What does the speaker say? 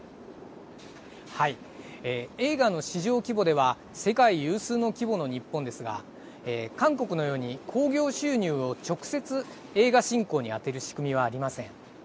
映画の市場規模では世界有数の規模の日本ですが韓国のように興行収入を直接映画振興に充てる仕組みはありません。